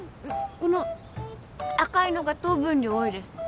この赤いのが糖分量多いです。